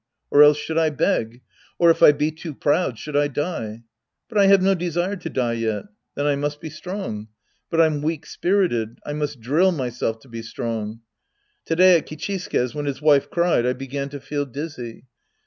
Or else should I beg ? Or if I be too proud, should I die ? But I have no desire to die yet. Then I must be strong. But I'm weak spirited. I must drill myself to be strong. To day at Kichisuke's when his wife cried, I began to feel dizzy.